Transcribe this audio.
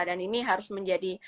dan ini harus menjadi